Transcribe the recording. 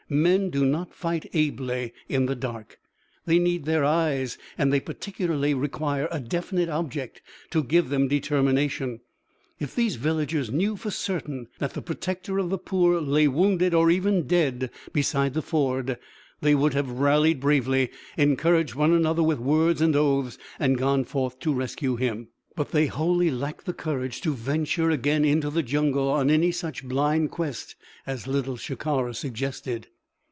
Men do not fight ably in the dark. They need their eyes, and they particularly require a definite object to give them determination. If these villagers knew for certain that the Protector of the Poor lay wounded or even dead beside the ford, they would have rallied bravely, encouraged one another with words and oaths, and gone forth to rescue him; but they wholly lacked the courage to venture again into the jungle on any such blind quest as Little Shikara suggested.